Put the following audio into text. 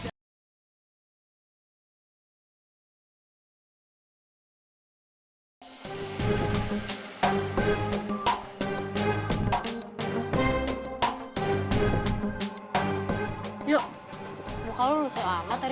ya vesselnya keraksana sama tim